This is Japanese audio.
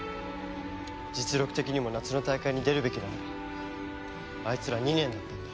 実力的にも夏の大会に出るべきなのはあいつら２年だったんだ。